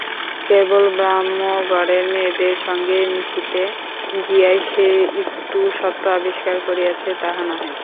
কেবল ব্রাহ্মঘরের মেয়েদের সঙ্গে মিশিতে গিয়াই সে এই সত্য আবিষ্কার করিয়াছে তাহা নহে।